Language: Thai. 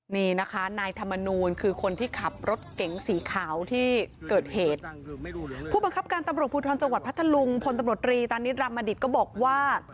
นี่นะคะนายธรรมนูลคือคนที่ขับรถเก๋งสีขาวที่เกิดเหตุผู้บังคับการตำรวจภูทรจังหวัดพัทธลุงพลตำรวจรีตานิดรามดิตก็บอกว่า